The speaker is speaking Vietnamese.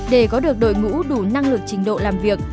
để có được đội ngũ đủ năng lực trình độ làm việc